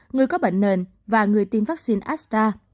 người có bệnh nền và người tiêm vaccine astra